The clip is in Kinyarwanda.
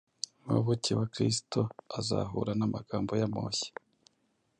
Umuyoboke wa Kristo azahura “n’amagambo y’amoshya”